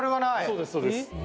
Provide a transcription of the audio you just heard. そうですそうです。